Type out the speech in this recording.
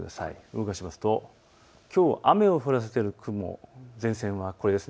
動かしますときょう雨を降らせている雲、前線はこれです。